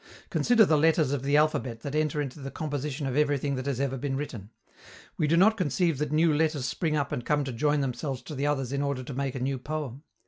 Consider the letters of the alphabet that enter into the composition of everything that has ever been written: we do not conceive that new letters spring up and come to join themselves to the others in order to make a new poem.